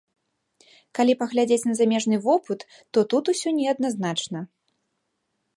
Калі паглядзець на замежны вопыт, то тут усё неадназначна.